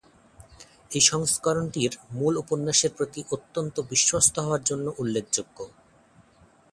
এই সংস্করণটি মূল উপন্যাসের প্রতি অত্যন্ত বিশ্বস্ত হওয়ার জন্য উল্লেখযোগ্য।